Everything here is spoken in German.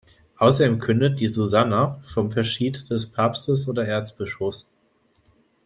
Außerdem kündet die "Susanna" vom Verschied des Papstes oder Erzbischofs.